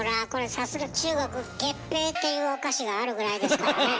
さすが中国「月餅」っていうお菓子があるぐらいですからねえ。